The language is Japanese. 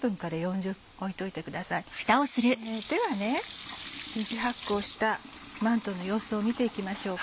では２次発酵したまんとうの様子を見ていきましょうか。